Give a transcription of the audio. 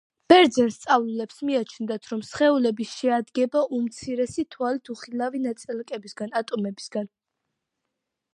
ბერძენ სწავლულებს მიაჩნდათ, რომ სხეულები შეადგება უმცირესი, თვალით უხილავი ნაწილაკებისგან - ატომებისგან